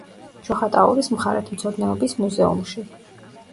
ჩოხატაურის მხარეთმცოდნეობის მუზეუმში.